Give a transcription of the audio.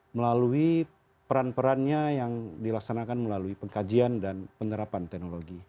melalui peran perannya yang dilaksanakan melalui pengkajian dan penerapan teknologi